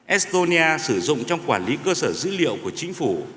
estonia sử dụng trong quản lý cơ sở dữ liệu của chính phủ